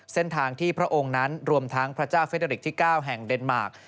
เส้นทางที่พระองค์นั้นรวมทั้งพระเจ้าเฟดาริกที่๙แห่งเดนมาร์ค